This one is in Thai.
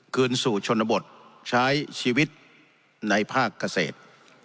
คืนสู่ชนบทใช้ชีวิตในภาคเกษตร